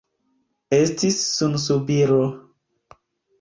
Estis sunsubiro.